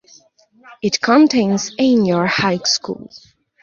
It contains Aynor High School.